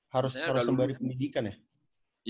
harus sembari pendidikan ya